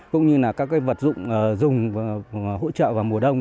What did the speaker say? cũng như là các vật dụng dùng hỗ trợ vào mùa đông